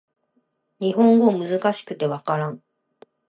日本語難しくて分からん